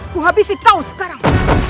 ku habisi kau sekarang